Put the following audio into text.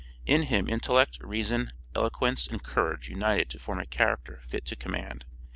In him intellect, reason, eloquence, and courage united to form a character fit to command.